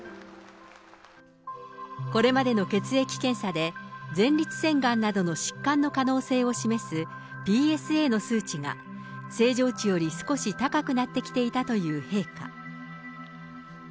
これまでの血液検査で、前立腺がんなどの疾患の可能性を示すＰＳＡの数値が、正常値より少し高くなってきていたという陛下。